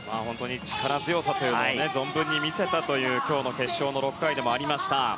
力強さというのも存分に見せた今日の決勝の６回でもありました。